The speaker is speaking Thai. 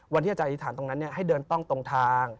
วันที่อาจารย์อธิษฐานตรงนั้นให้เดินต้องตรงทาง